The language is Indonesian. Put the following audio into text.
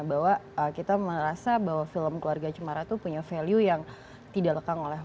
bahwa kita merasa bahwa film keluarga cemara itu punya value yang tidak lekang oleh